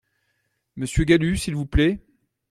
Monsieur Galut, s’il vous plaît